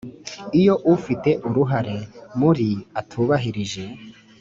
b iyo ufite uruhare muri atubahirije